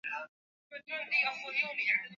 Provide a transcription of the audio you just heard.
Na mwaka wa elfu moja mia tisa na tisini na